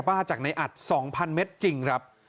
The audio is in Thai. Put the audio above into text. ส่งมาขอความช่วยเหลือจากเพื่อนครับ